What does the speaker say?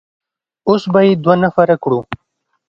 اوس به يې دوه نفره کړو.